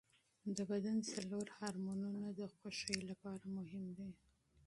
د بدن څلور هورمونونه د خوښۍ لپاره مهم دي.